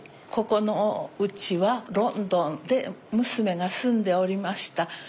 ここのうちはロンドンで娘が住んでおりました